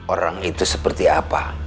orang itu seperti apa